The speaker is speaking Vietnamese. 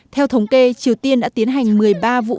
theo thống kê triều tiên đã tiến hành một mươi ba vụ